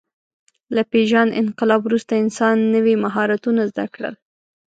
له پېژاند انقلاب وروسته انسان نوي مهارتونه زده کړل.